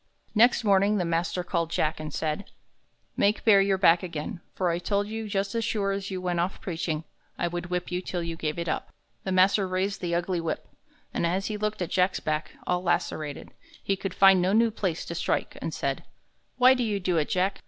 Next morning the master called Jack, and said, "Make bare your back again; for I told you that just as sure as you went off preaching, I would whip you till you gave it up." The master raised the ugly whip, and as he looked at Jack's back, all lacerated, he could find no new place to strike, and said: "Why do you do it, Jack?